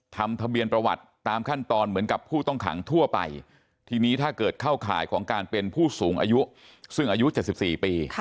ทำทะเบียนประวัติตามขั้นตอนเหมือนกับผู้ต้องขังทั่วไปทีนี้ถ้าเกิดเข้าข่ายของการเป็นผู้สูงอายุซึ่งอายุ๗๔ปี